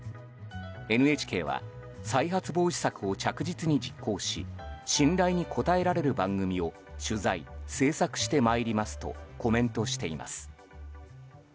ＮＨＫは再発防止策を着実に実行し信頼に応えられる番組を取材・制作してまいりますとコメントしています。